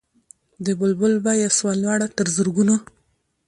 د بلبل بیه سوه لوړه تر زرګونو